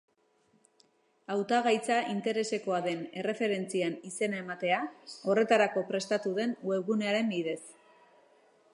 Hautagaitza interesekoa den erreferentzian izena ematea, horretarako prestatu den webgunearen bidez.